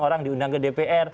orang diundang ke dpr